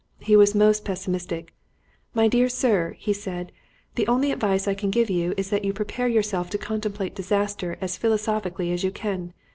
He was most pessimistic. 'My dear sir,' he said, 'the only advice I can give you is that you prepare yourself to contemplate disaster as philosophically as you can.